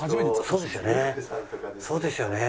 そうですよね。